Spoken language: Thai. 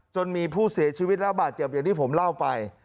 จนมีผู้เสียชีวิตระบาดเจ็บอย่างที่ผมเล่าไป